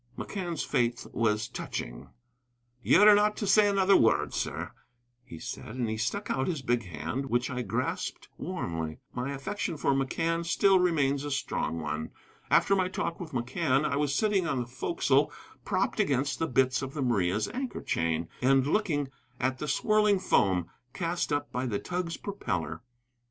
McCann's faith was touching. "Ye're not to say another word, sir," he said, and he stuck out his big hand, which I grasped warmly. My affection for McCann still remains a strong one. After my talk with McCann I was sitting on the forecastle propped against the bitts of the Maria's anchor chain, and looking at the swirling foam cast up by the tug's propeller.